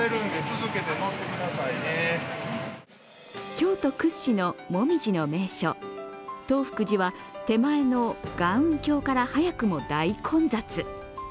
京都屈指の紅葉の名所、東福寺は手前の臥雲橋から早くも大混雑。